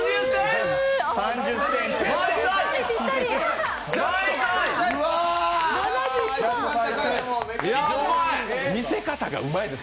３０ｃｍです。